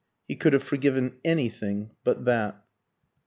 He could have forgiven anything but that.